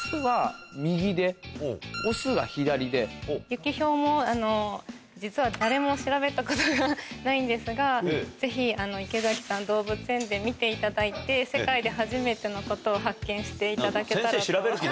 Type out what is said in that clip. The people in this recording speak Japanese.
ユキヒョウも、実は誰も調べたことがないんですが、ぜひ、池崎さん、動物園で見ていただいて、世界で初めてのことを発見していただけたらと。